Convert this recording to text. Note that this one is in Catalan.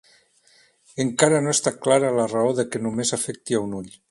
Encara no està clara la raó de que només afecti a un ull.